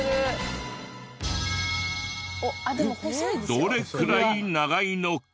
どれくらい長いのか？